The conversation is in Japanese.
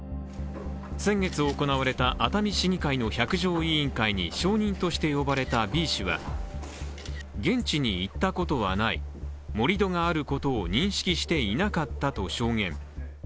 先月、行われた熱海市議会の百条委員会に証人として呼ばれたＢ氏は現地に行ったことはない、盛り土があることを認識していなかったと証言。